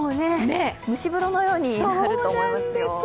蒸し風呂のようになると思いますよ。